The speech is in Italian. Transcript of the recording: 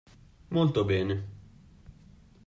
Molto bene.